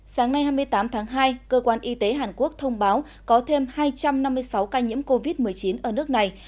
sáng nay hai mươi tám tháng hai cơ quan y tế hàn quốc thông báo có thêm hai trăm năm mươi sáu ca nhiễm covid một mươi chín ở nước này